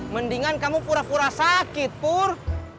mendingan kamu pura pura sakit pur